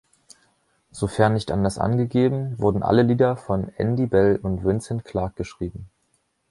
Sofern nicht anders angegeben, wurden alle Lieder von Andy Bell und Vince Clarke geschrieben.